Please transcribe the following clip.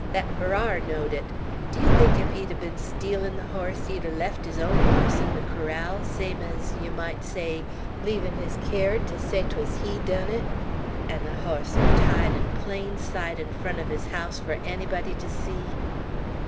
Thet Farrar knowed it. D'yer think ef he'd ben stealin' the hoss, he'd er left his own hoss in the corral, same ez, yer might say, leavin' his kyerd to say 't wuz he done it; 'n' the hoss er tied in plain sight 'n front uv his house fur ennybody ter see?"